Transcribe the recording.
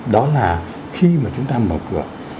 đó là khi mà chúng ta mở cửa